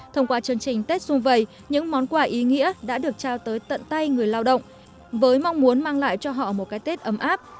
thông qua chương trình tết xuân vầy những món quà ý nghĩa đã được trao tới tận tay người lao động với mong muốn mang lại cho họ một cái tết ấm áp